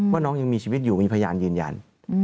ว่าน้องยังมีชีวิตอยู่มีพยานยืนยัน